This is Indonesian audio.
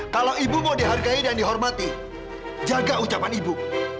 kalau ibu mau dihargai dan dihormati jaga ucapan ibu